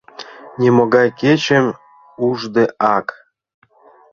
Нимогай кечым уждеак.